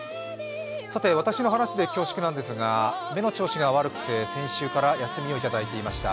さて、私の話で恐縮なんですが目の調子が悪くて先週から休みをいただいていました。